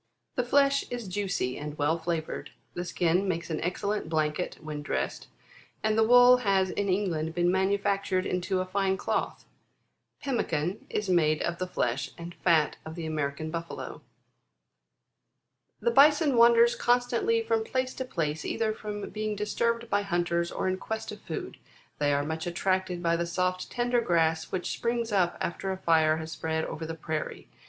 17. The flesh is juicy, and well flavoured. The skin makes an excellent blanket when dressed ; and the wool has in England been manufactured into a fine cloth. Pemmican is made of the flesh and fat of the American Buffalo. 18. "The Bison wanders constantly from place to place, either from being disturbed by hunters, or in quest of food. They are much attracted by the soft tender grass, which springs up after a fire has spread over the prairie.